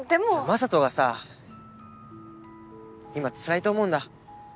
雅人がさ今つらいと思うんだ。